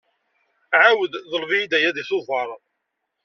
Ɛawed ḍleb-iyi-d aya deg tuber.